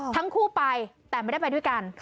ทั้งคู่ไปแต่ไม่ได้ไปด้วยกัน